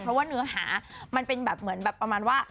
เพราะว่าเนื้อหามันเป็นแบบเหมือนแบบประมาณว่า